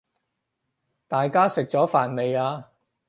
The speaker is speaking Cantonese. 大家食咗飯未呀？